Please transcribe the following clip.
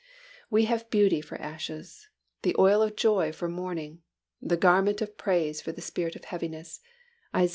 We have beauty for ashes, the oil of joy for mourning, the garment of praise for the spirit of heaviness (Isa.